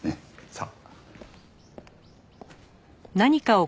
さあ。